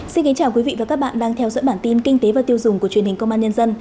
xin kính chào quý vị và các bạn đang theo dõi bản tin kinh tế và tiêu dùng của truyền hình công an nhân dân